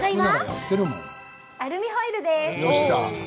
アルミホイルです。